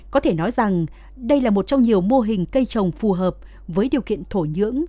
có thể nói rằng đây là một trong nhiều mô hình cây trồng phù hợp với điều kiện thổ nhưỡng